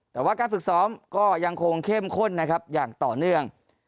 แต่ว่าการฝึกซ้อมก็ยังคงเข้มข้นนะครับอย่างต่อเนื่อง